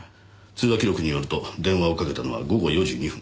通話記録によると電話をかけたのは午後４時２分。